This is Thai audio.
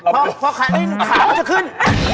เพราะขาขึ้นขามันจะขึ้น